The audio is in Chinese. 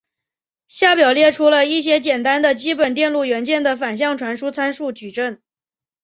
下表列出了一些简单的基本电路元件的反向传输参数矩阵。